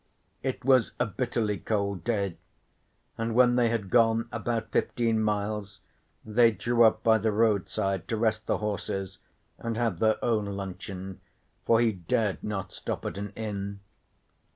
It was a bitterly cold day, and when they had gone about fifteen miles they drew up by the roadside to rest the horses and have their own luncheon, for he dared not stop at an inn.